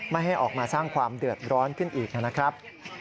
ไม่ให้ออกมาสร้างความเดือดร้อนขึ้นอีกนะครับ